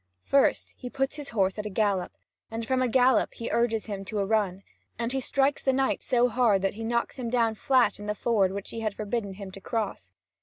First, he puts his horse at a gallop, and from a gallop he urges him to a run, and he strikes the knight so hard that he knocks him down flat in the ford which he had forbidden him to cross.